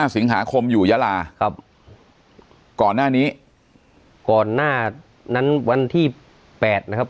สิงหาคมอยู่ยาลาครับก่อนหน้านี้ก่อนหน้านั้นวันที่๘นะครับ